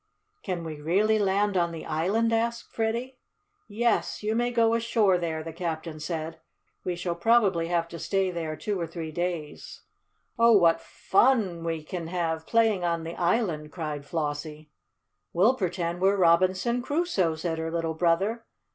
"Can we really land on the island?" asked Freddie. "Yes, you may go ashore there," the captain said. "We shall probably have to stay there two or three days." "Oh, what fun we can have, playing on the island!" cried Flossie. "We'll pretend we're Robinson Crusoe," said her little brother.